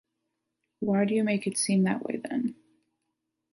Why do you make it seem that way then?